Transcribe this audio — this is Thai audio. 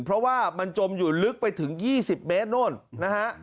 เพราะว่ามันจมอยู่ลึกไปถึง๒๐เมตรโน่นนะฮะ